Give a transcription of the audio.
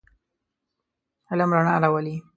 علم رڼا راولئ.